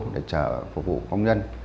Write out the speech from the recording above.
để chở phục vụ công nhân